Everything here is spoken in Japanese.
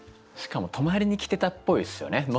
しかも泊まりに来てたっぽいっすよね。